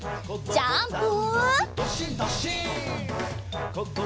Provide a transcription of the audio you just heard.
ジャンプ！